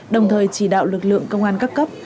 đồng thời chỉ đạo lực lượng công an các cấp